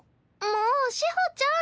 もう志穂ちゃん！